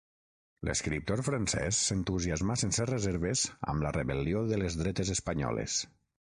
L'escriptor francès s'entusiasmà sense reserves amb la rebel·lió de les dretes espanyoles.